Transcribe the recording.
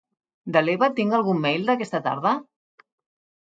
De l'Eva tinc algun mail d'aquesta tarda?